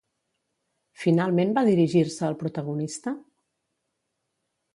Finalment va dirigir-se al protagonista?